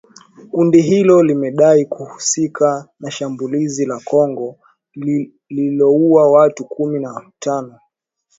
Kundi hilo limedai kuhusika na shambulizi la Kongo lililouwa watu kumi na tano